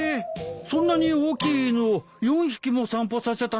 そんなに大きい犬を４匹も散歩させたのかい？